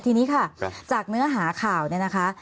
ทีนี้ค่ะจากเนื้อหาข่าวเนี่ยนะคะ